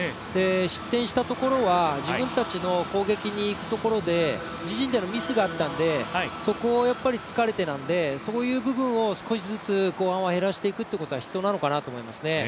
失点したところは自分たちの攻撃にいくところで、自陣でのミスがあったので、そこを突かれてなのでそういう部分を少しずつ後半は減らしていくことが必要なのかなと思いますね。